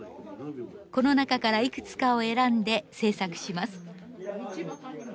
この中からいくつかを選んで制作します。